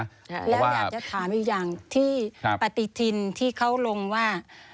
ใช่แล้วอยากจะถามอีกอย่างที่ปฏิทินที่เขาลงว่า